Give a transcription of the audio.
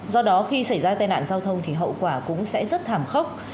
do đó khi xảy ra tai nạn giao thông thì hậu quả cũng sẽ rất thảm khốc